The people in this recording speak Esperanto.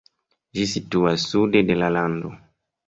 Ĝi situas sude de la lando.